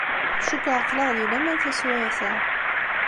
Cukkeɣ aql-aɣ di laman taswiɛt-a.